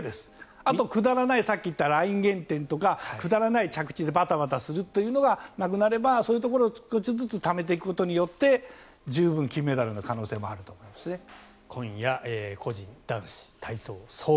あと、くだらないさっき言ったライン減点とかくだらない着地でバタバタするというのがなくなればそういうところを少しずつためていくということによって健康には免疫力歯にはフッ素で抵抗力をそこでコレッ！